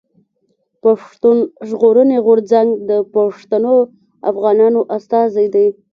پښتون ژغورني غورځنګ د پښتنو افغانانو استازی دی.